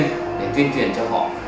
để truyền truyền cho họ